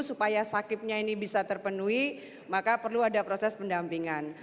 supaya sakitnya ini bisa terpenuhi maka perlu ada proses pendampingan